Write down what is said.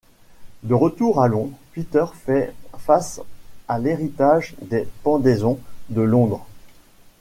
De retour à Londres, Peter fait face à l'héritage des pendaisons de Londres.